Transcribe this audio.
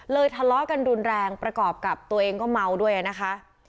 ทะเลาะกันรุนแรงประกอบกับตัวเองก็เมาด้วยนะคะ